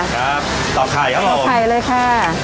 ครับต่อไข่ครับผมต่อไข่เลยค่ะ